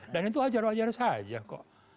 dan itu wajar wajar saja kok